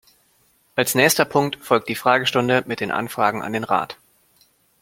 Als nächster Punkt folgt die Fragestunde mit den Anfragen an den Rat.